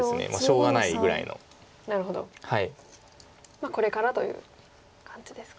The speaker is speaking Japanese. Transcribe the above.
まあこれからという感じですか。